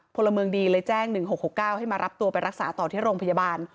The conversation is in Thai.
พลเมืองดีเลยแจ้ง๑๖๖๙ให้มารับตัวไปรักษาต่อที่โรงพยาบาล